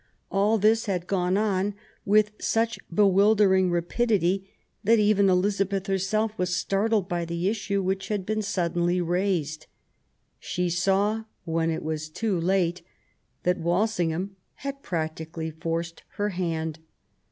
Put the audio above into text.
All this had gone on with such bewildering rapidity that even Elizabeth herself was startled by the issue which had been suddenly raised. She saw, when it was too late, that Walsingham had practically forced her hand.